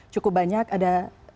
cukup banyak ada